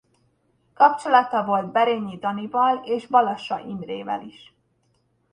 Kapcsolata volt Berényi Danival és Balassa Imrével is.